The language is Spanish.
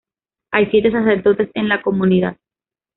Hay siete sacerdotes en la comunidad.